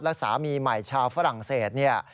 และสามีใหม่ชาวฝรั่งเศส